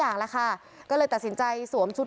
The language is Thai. เป็นลุคใหม่ที่หลายคนไม่คุ้นเคย